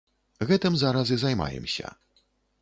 Гэтым зараз і займаемся.